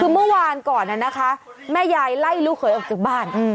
คือเมื่อวานก่อนนะคะแม่ยายไล่ลูกเขยออกจากบ้าน